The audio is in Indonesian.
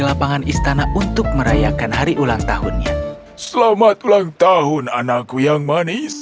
terima kasih terima kasih semuanya